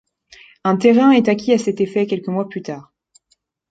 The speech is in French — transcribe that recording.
Un terrain est acquis à cet effet quelques mois plus tard.